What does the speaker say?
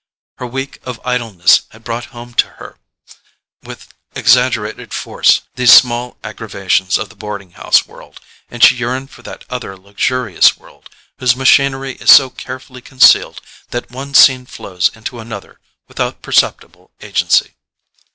Her week of idleness had brought home to her with exaggerated force these small aggravations of the boarding house world, and she yearned for that other luxurious world, whose machinery is so carefully concealed that one scene flows into another without perceptible agency.